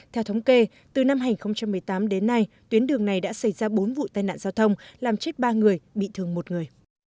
theo thống kê từ năm hai nghìn một mươi tám đến nay tuyến đường này đã xảy ra bốn vụ tai nạn giao thông làm chết ba người bị thương một người